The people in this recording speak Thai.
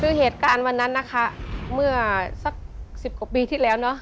คือเหตุการณ์วันนั้นนะคะเมื่อสัก๑๐กว่าปีที่แล้วเนอะ